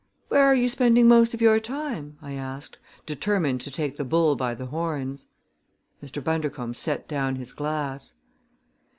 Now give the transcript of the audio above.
"Where are you spending most of your time?" I asked, determined to take the bull by the horns. Mr. Bundercombe set down his glass.